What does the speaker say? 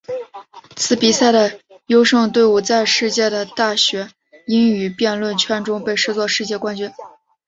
此比赛的优胜队伍在世界的大学英语辩论圈中被视作世界冠军。